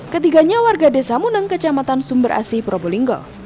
ketiganya warga desa muneng kecamatan sumber asi probolinggo